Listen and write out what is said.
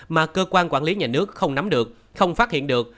mà cơ quan quản lý nhà nước không nắm được không phát hiện được